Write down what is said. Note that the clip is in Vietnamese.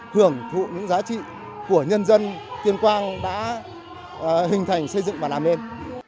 hưởng thụ những giá trị của nhân dân tuyên quang đã hình thành xây dựng và làm nên